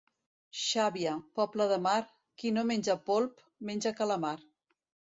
Xàbia, poble de mar, qui no menja polp, menja calamar.